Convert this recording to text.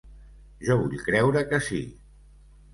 Jo vull creure que sí.